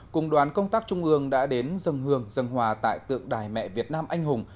cùng đoàn công tác trung ương đã đến dân hương dân hòa tại tượng đài mẹ việt nam anh hùng